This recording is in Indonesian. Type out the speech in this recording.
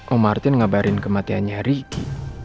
oh martin ngabarin kematiannya riki